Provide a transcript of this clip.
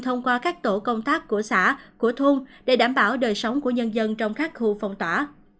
thông qua các tổ công tác của xã của thôn để đảm bảo đời sống của nhân dân trong các khu phong tỏa